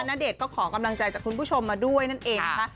ณเดชน์ก็ขอกำลังใจจากคุณผู้ชมมาด้วยนั่นเองนะคะ